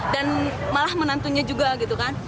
dan malah menantunya juga gitu kan